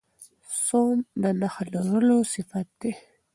سوم د نخښهلرلو صفت دئ.